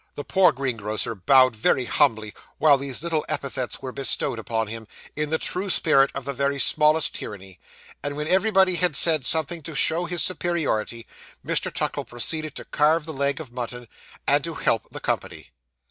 The poor greengrocer bowed very humbly while these little epithets were bestowed upon him, in the true spirit of the very smallest tyranny; and when everybody had said something to show his superiority, Mr. Tuckle proceeded to carve the leg of mutton, and to help the company.